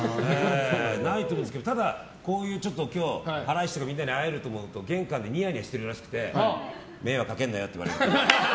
ないと思うんですがただ、こういう今日みたいにハライチとかみんなに会えると思うと玄関でにやにやしてるらしくって迷惑かけんなよって言われました。